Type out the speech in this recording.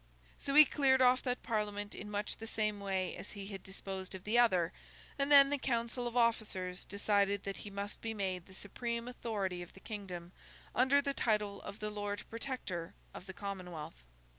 So he cleared off that Parliament in much the same way as he had disposed of the other; and then the council of officers decided that he must be made the supreme authority of the kingdom, under the title of the Lord Protector of the Commonwealth.